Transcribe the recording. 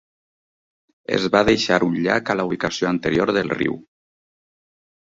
Es va deixar un llac a la ubicació anterior del riu.